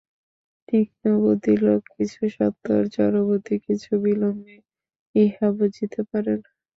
তীক্ষ্ণবুদ্ধি লোক কিছু সত্বর, জড়বুদ্ধি কিছু বিলম্বে ইহা বুঝিতে পারেন।